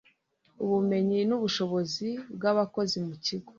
ubumenyi n ubushobozi bw abakozi mu kigo